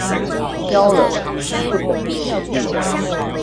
教了，不等於鼓勵